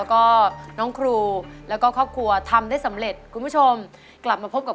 ช่องสามสิบสอง